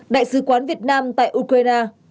đại sứ quán việt nam tại liên bang nga